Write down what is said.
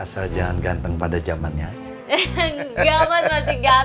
asal jangan ganteng pada zamannya aja